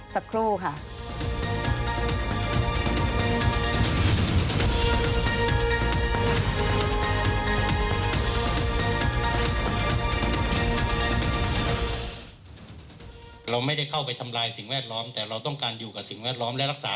จะให้เขารื้อหรอคะ